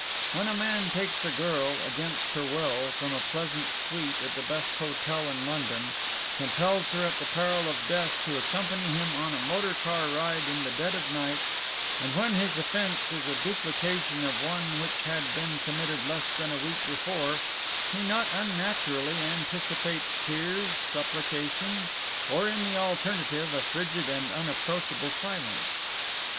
When a man takes a girl, against her will, from a pleasant suite at the best hotel in London, compels her at the peril of death to accompany him on a motor car ride in the dead of the night, and when his offence is a duplication of one which had been committed less than a week before, he not unnaturally anticipates tears, supplications, or in the alternative a frigid and unapproachable silence.